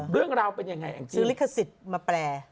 เรื่องราวเป็นยังไงจึงลิขสิทธิ์มาแปล